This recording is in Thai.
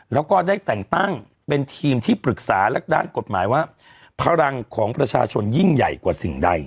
แล้วก็ได้แต่งตั้งเป็นทีมที่ปรึกษาและด้านกฎหมายว่าพลังของประชาชนยิ่งใหญ่กว่าสิ่งใด